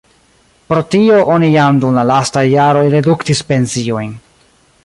Pro tio oni jam dum la lastaj jaroj reduktis pensiojn.